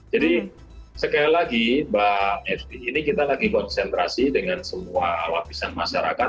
sekali lagi mbak effy ini kita lagi konsentrasi dengan semua lapisan masyarakat